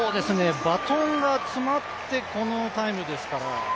バトンが詰まってこのタイムですから。